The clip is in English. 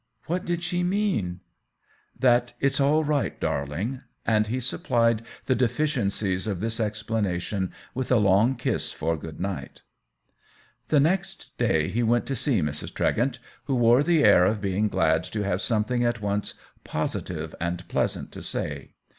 What did she mean ?" "That it's all right, darling!'' And he supplied the deficiencies of this ex planation with a long kiss for good night. The next day he went to see Mrs. Tre gent, who wore the air of being glad to have something at once positive and pleas ant to say.